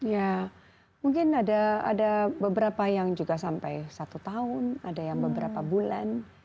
ya mungkin ada beberapa yang juga sampai satu tahun ada yang beberapa bulan